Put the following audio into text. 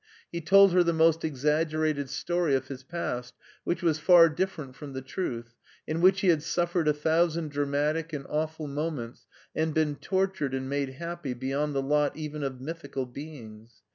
He told her the most exaggerated story of his past, which was far different from the truth, in which he had suffered a thousand dramatic and awful moments, and been tortured and made happy beyond the lot even of mythical beings.